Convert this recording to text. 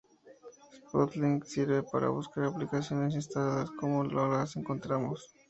Spotlight sirve para buscar aplicaciones instaladas cuando no las encontramos.